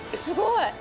すごい！